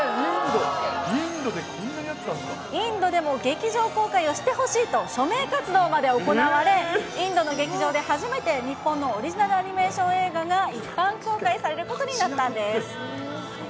インドでも劇場公開をしてほしいと、署名活動まで行われ、インドの劇場で初めて、日本のオリジナルアニメーション映画が一般公開されることになったんです。